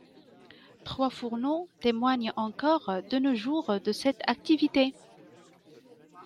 Trois fourneaux témoignent encore de nos jours de cette activité.